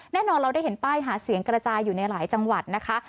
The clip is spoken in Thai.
แน่นอนเราได้เห็นป้ายหาเสียงกระจายอยู่ในหลายจังหวัดนะคะ